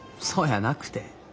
そやなくて。